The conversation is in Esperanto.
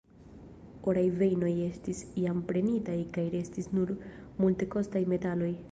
Oraj vejnoj estis jam prenitaj kaj restis nur multekostaj metaloj.